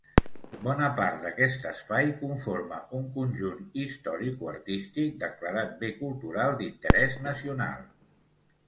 Bona part d'aquest espai conforma un conjunt historicoartístic declarat bé cultural d'interès nacional.